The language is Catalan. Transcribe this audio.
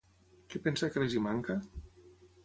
Què pensa que les hi manca?